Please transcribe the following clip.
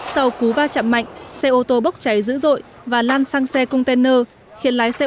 sau cú va chạm mạnh xe ô tô bốc cháy dữ dội và lan sang xe container